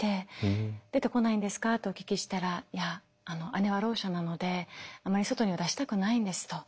「出てこないんですか？」とお聞きしたら「姉はろう者なのであまり外には出したくないんです」と。